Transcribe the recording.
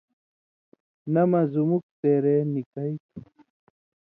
نہ مہ زُمُک څېرے نِکئ تُھو